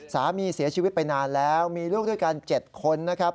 สามีเสียชีวิตไปนานแล้วมีลูกด้วยกัน๗คนนะครับ